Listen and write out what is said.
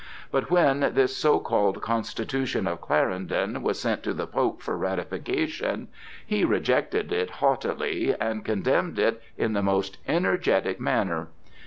But when this so called Constitution of Clarendon was sent to the Pope for ratification, he rejected it haughtily and condemned it in the most energetic manner.